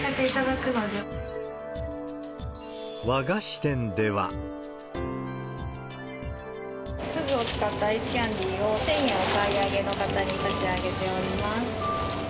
くずを使ったアイスキャンディーを、１０００円お買い上げの方に差し上げております。